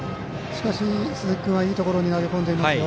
しかし、鈴木君はいいところに投げ込んでますよ